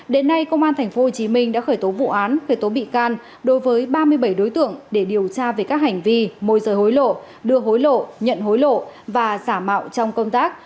đến nay công an tp hcm đã khởi tố vụ án khởi tố bị can đối với ba mươi bảy đối tượng để điều tra về các hành vi môi rời hối lộ đưa hối lộ nhận hối lộ và giả mạo trong công tác